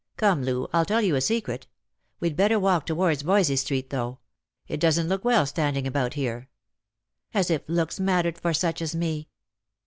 Come, Loo, I'll tell you a secret. We'd better walk towards Voysey street, though; it doesn't look well standing about here." " As if looks mattered for such as me."